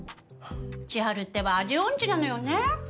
千晴ってば味音痴なのよね。